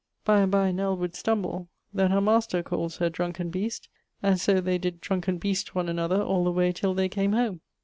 By and by Nell would stumble; then her master calls her 'drunken beast'; and so they did drunken beast one another all the way till they came home.